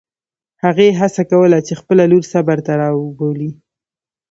هغې هڅه کوله چې خپله لور صبر ته راوبولي.